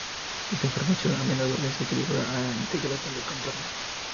Esta información a menudo es utilizada en integración de contorno.